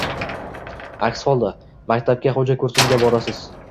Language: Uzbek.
Aks holda, maktabga xo‘jako‘rsinga borasiz.